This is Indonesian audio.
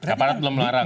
aparat belum larang